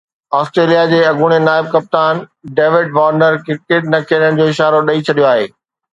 Australia جي اڳوڻي نائب ڪپتان ڊيوڊ وارنر ڪرڪيٽ نه کيڏڻ جو اشارو ڏئي ڇڏيو آهي